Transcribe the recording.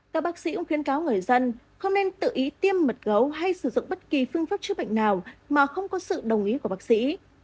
các bác sĩ cũng khuyến cáo người dân không nên tự ý tiêm mật gấu hay sử dụng bất kỳ phương pháp chữa bệnh nào mà không có sự đồng ý của bác sĩ